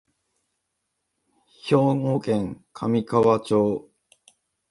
兵庫県神河町